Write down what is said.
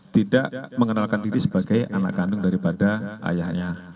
tidak mengenalkan diri sebagai anak kandung daripada ayahnya